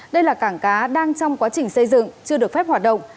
đây là cảng cá đang trong quá trình xây dựng chưa được phép hoạt động